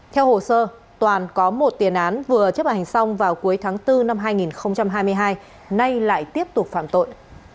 theo hồ sơ toàn có một tiền án vừa chấp hành xong vào cuối tháng bốn năm hai nghìn hai mươi hai nay lại tiếp tục phạm tội